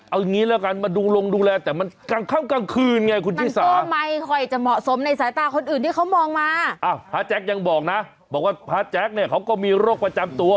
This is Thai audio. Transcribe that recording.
เอางี้ละกันมาดูลงดูแลแต่มันกลางเข้ากลางคืนไงคุณพี่สา